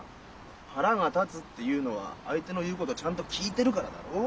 腹が立つっていうのは相手の言うことちゃんと聞いてるからだろ？